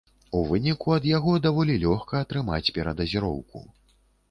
У выніку, ад яго даволі лёгка атрымаць перадазіроўку.